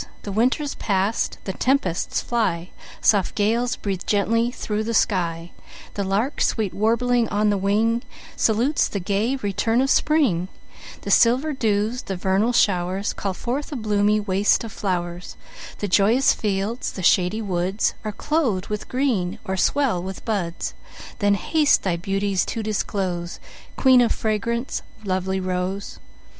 The Winter's past, the Tempests fly, Soft Gales breathe gently thro' the Sky; The Lark sweet warbling on the Wing Salutes the gay Return of Spring: The silver Dews, the vernal Show'rs, Call forth a bloomy Waste of Flow'rs; The joyous Fields, the shady Woods, Are cloth'd with Green, or swell with Buds; Then haste thy Beauties to disclose, Queen of Fragrance, lovely Rose!